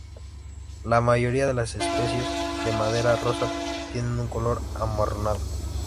La mayoría de las especies de madera rosa tienen un color amarronado.